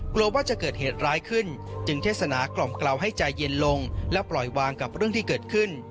กลัวว่าจะเกิดเหตุร้ายขึ้นจึงเทศนากล่อมกล่าวให้ใจเย็นลงและปล่อยวางกับเรื่องที่เกิดขึ้น